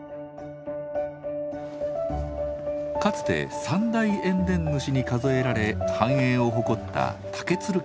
かつて三大塩田主に数えられ繁栄を誇った竹鶴家。